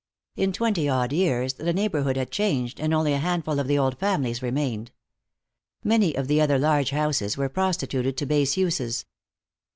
In twenty odd years the neighborhood had changed, and only a handful of the old families remained. Many of the other large houses were prostituted to base uses.